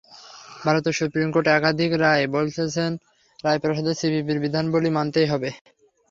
ভারতের supreme court একাধিক রায়ে বলেছেন, রায় প্রদানে সিপিসির বিধানাবলি মানতেই হবে।